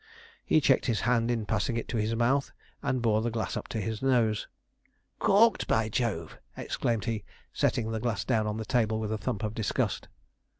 He checked his hand in passing it to his mouth, and bore the glass up to his nose. 'Corked, by Jove!' exclaimed he, setting the glass down on the table with a thump of disgust.